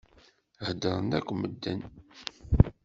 Heddṛen akk medden.